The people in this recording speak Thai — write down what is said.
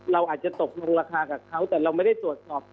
เราอาจจะตกลงราคากับเขาแต่เราไม่ได้ตรวจสอบ